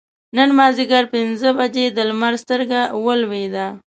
نن مازدیګر پینځه بجې د لمر سترګه ولوېده.